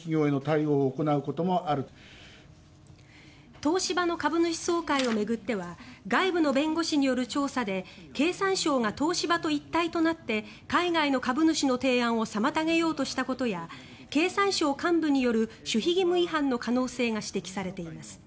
東芝の株主総会を巡っては外部の弁護士による調査で経産省が東芝と一体となって海外の株主の提案を妨げようとしたことや経産省幹部による守秘義務違反の可能性が指摘されています。